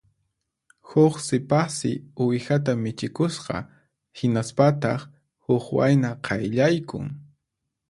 Huk sipassi uwihata michikusqa; hinaspataq huk wayna qayllaykun